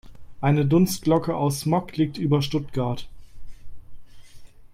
Eine Dunstglocke aus Smog liegt über Stuttgart.